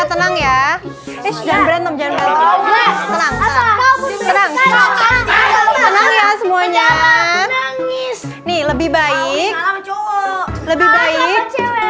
lebih baik lebih baik